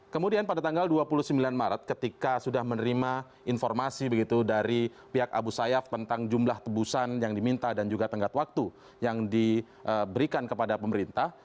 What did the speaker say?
kemudian pada tanggal dua puluh sembilan maret ketika sudah menerima informasi begitu dari pihak abu sayyaf tentang jumlah tebusan yang diminta dan juga tenggat waktu yang diberikan kepada pemerintah